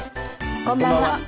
こんばんは。